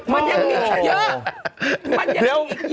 มันยังมีอีกเยอะ